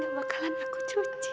gak bakalan aku cuci